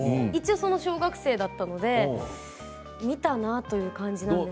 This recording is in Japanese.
小学生だったので見たなという感じで。